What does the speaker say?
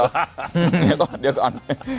เดี๋ยวก่อนเดี๋ยวก่อน